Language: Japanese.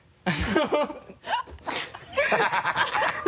ハハハ